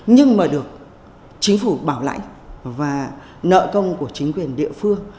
nhưng mà được chính phủ bảo lãnh và nợ công của chính quyền địa phương